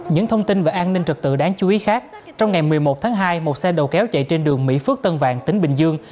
những thông tin về an ninh trật tự đáng chú ý khác trong ngày một mươi một tháng hai một xe đầu kéo chạy trên đường mỹ phước tân vạn tỉnh bình dương